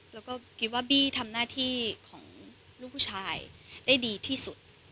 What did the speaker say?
แล้วก็คิดว่าบี้ทำหน้าที่ของลูกผู้ชายได้ดีที่สุด